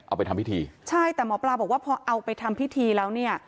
เอาไปทำพิธีใช่แต่หมอปลาบอกว่าพอเอาไปทำพิธีแล้วเนี่ย